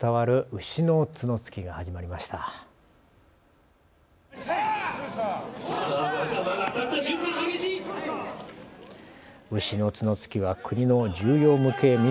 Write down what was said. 牛の角突きは国の重要無形民俗